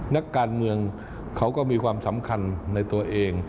นักการเมืองเขาก็มีความสำคัญในตัวเอง